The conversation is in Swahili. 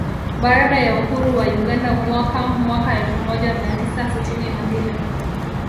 Baada ya uhuru wa Uganda mwaka mwaka elfu moja mia tisa sitini na mbili